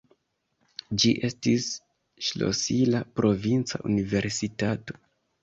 Ĝi estis ŝlosila provinca universitato.